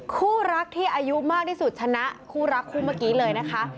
คู่รักที่อายุมากที่สุดชนะคู่รักคู่เมื่อกี้เลยนะคะ